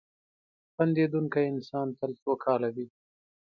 • خندېدونکی انسان تل سوکاله وي.